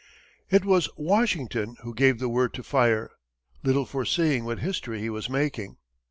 It was Washington who gave the word to fire, little foreseeing what history he was making.